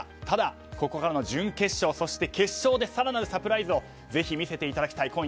ただ、ここからの準決勝そして決勝で更なるサプライズをぜひ見せていただきたい。